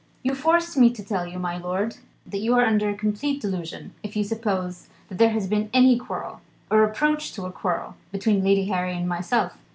"You force me to tell you, my lord, that you are under a complete delusion, if you suppose that there has been any quarrel, or approach to a quarrel, between Lady Harry and myself."